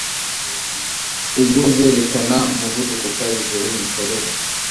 ubwozerekana umuvuduko ukabije wimikorere